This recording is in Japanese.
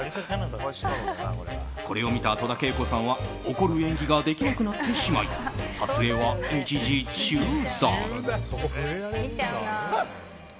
これを見た戸田恵子さんは怒る演技ができなくなってしまい撮影は一時中断。